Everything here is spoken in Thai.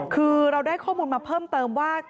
คือเราได้ข้อมูลมาเพิ่มเติมว่า